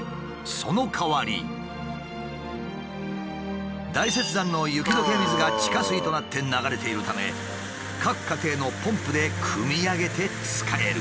そのかわり大雪山の雪解け水が地下水となって流れているため各家庭のポンプでくみ上げて使える。